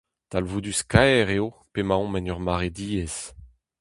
Talvoudus-kaer eo p'emaomp en ur mare diaes.